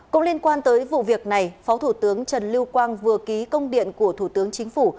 cũng liên quan tới vụ việc này phó thủ tướng trần lưu quang vừa ký công điện của thủ tướng chính phủ